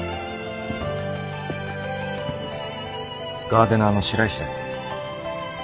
ガーデナーの白石です。